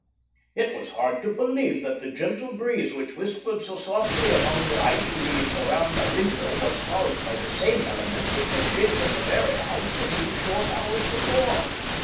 It was hard to believe that the gentle breeze which whispered so softly among the ivy leaves around my window was caused by the same element which had shaken the very house a few short hours before.